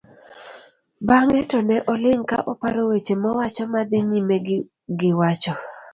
bang'e to ne oling' ka oparo weche mowacho ma odhi nyime giwacho